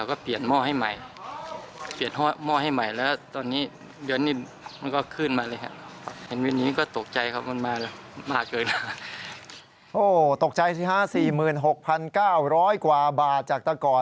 โอ้โฮตกใจสิฮะ